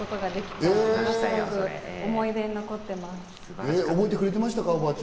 はい、覚えてくれてました。